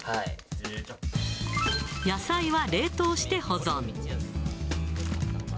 野菜は冷凍して保存。